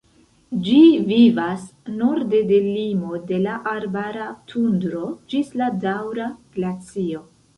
Ĝi vivas norde de limo de la arbara tundro ĝis la daŭra glacio.